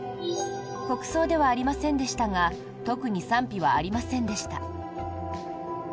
国葬ではありませんでしたが特に賛否はありませんでした。